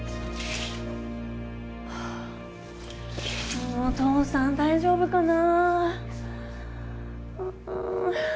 もう父さん大丈夫かな。